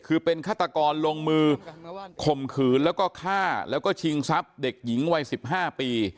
คือเป็นฆาตกรลงมือข่มขืนแล้วก็ฆ่าแล้วก็ชิงทรัพย์เด็กหญิงวัย๑๕ปี